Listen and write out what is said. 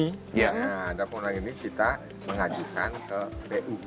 nah ada pengelolaan ini kita mengajukan ke pu